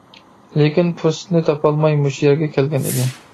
لېكىن پۇرسىتىنى تاپالماي مۇشۇ يەرگە كەلگەنىدى.